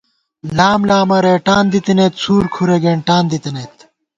لام لامہ رېٹان دِتَنَئیت څُور کُھرے گېنٹان دِتَنَئیت